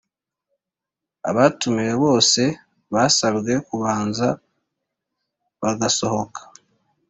Abatumiwe bose basabwe kubanza baga sohoka